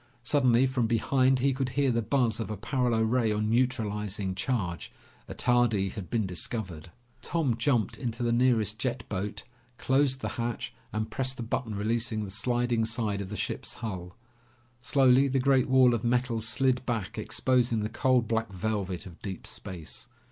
Suddenly from behind he could hear the buzz of a paralo ray on neutralizing charge. Attardi had been discovered. Tom jumped into the nearest jet boat, closed the hatch, and pressed the button releasing the sliding side of the ship's hull. Slowly, the great wall of metal slid back exposing the cold black velvet of deep space.